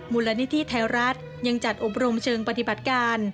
มูลนิธิไทยรัฐยังจัดอบรมเชิงปฏิบัติการ